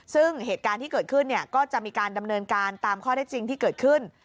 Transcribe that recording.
ซึ่งเหตุการณ์ที่เกิดขึ้นก็จะมีการดำเนินการตามข้อได้จริงที่เกิดขึ้น